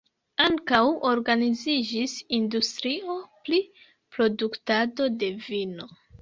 Ankaŭ organiziĝis industrio pri produktado de vino.